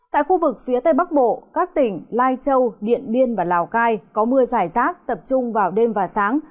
tại khu vực phía tây bắc bộ các tỉnh lai châu điện biên và lào cai có mưa dài rác tập trung vào đêm và sáng